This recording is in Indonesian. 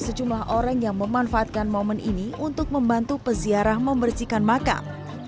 sejumlah orang yang memanfaatkan momen ini untuk membantu peziarah membersihkan makam